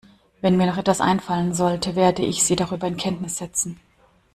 Wenn mir noch etwas einfallen sollte, werde ich Sie darüber in Kenntnis setzen.